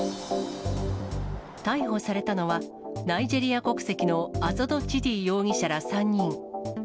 逮捕されたのは、ナイジェリア国籍のアゾド・チディ容疑者ら３人。